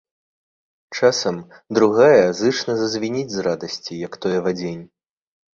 Часам другая зычна зазвініць з радасці, як той авадзень.